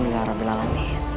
saya sangat berharap berlalamin